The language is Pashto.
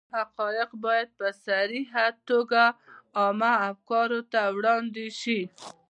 حقایق باید په صریحه توګه عامه افکارو ته وړاندې شي.